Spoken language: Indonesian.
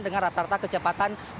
dengan rata rata kecepatan